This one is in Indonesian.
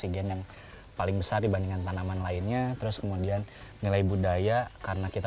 jadi itu alasannya